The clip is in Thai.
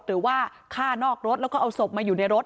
หรือว่าฆ่านอกรถแล้วก็เอาศพมาอยู่ในรถ